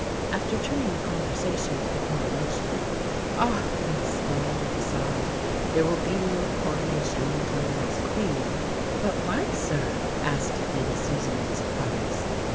After turning the conversation to the Coronation, "Ah!" he exclaimed with a sigh, "there will be no Coronation until there is a Queen." "But why, sir?" asked Lady Susan in surprise.